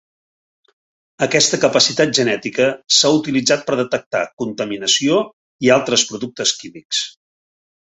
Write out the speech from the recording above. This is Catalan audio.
Aquesta capacitat genètica s'ha utilitzat per detectar contaminació i altres productes químics.